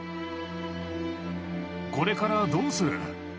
これからどうする？